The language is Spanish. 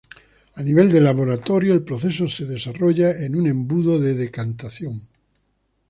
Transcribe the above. A nivel de laboratorio el proceso se desarrolla en un embudo de decantación.